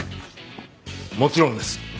もちろんです。